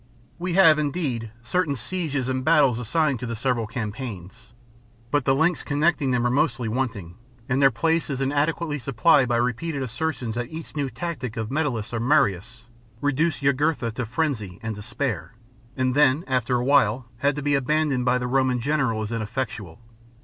We have, indeed, certain sieges and battles assigned to the several campaigns, INTRODUCTION TO THE JUGURTIIINE WAR. I 1 9 but the links connecting them are mostly wanting, and their place is inadequately supplied by repeated asser tions that each new tactic of Metcllus or Marius reduced Jugurtha to frenzy and despair, and then, after a while, had to be abandoned by the Roman general as ineffectual.